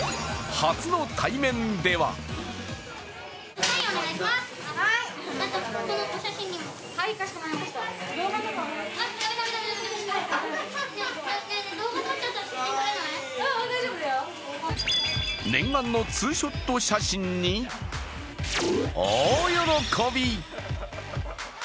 初の対面では念願のツーショット写真に大喜び。